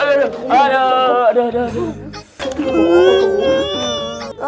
aduh udah udah